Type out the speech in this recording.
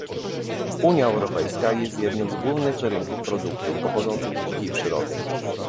Unia Europejska jest jednym z głównych rynków produktów pochodzących z dzikiej przyrody